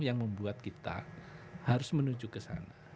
yang membuat kita harus menuju kesana